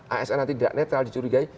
asn tidak netral dicurigai